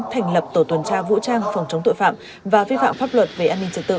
thành lập tổ tuần tra vũ trang phòng chống tội phạm và vi phạm pháp luật về an ninh trật tự